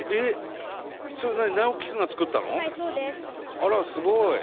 あらすごい！